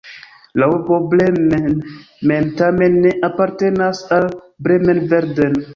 La urbo Bremen mem tamen ne apartenas al Bremen-Verden.